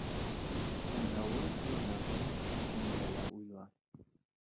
Уйнауын уйна, эшеңде лә уйла.